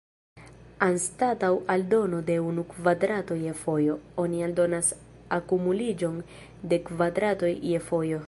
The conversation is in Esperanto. Anstataŭ aldono de unu kvadrato je fojo, oni aldonas akumuliĝon de kvadratoj je fojo.